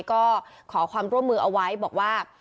ก็ขอความร่วมมือเอาไว้บอกว่า